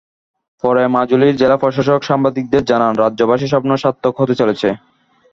পরে মাজুলির জেলা প্রশাসক সাংবাদিকদের জানান, রাজ্যবাসীর স্বপ্ন সার্থক হতে চলেছে।